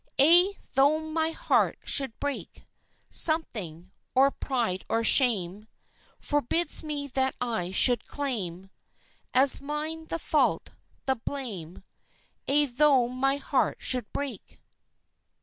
Aye, tho' my heart should break, Something or pride or shame Forbids me that I should claim As mine the fault, the blame Aye, tho' my heart should break!